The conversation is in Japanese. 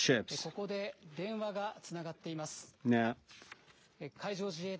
ここで電話がつながっています。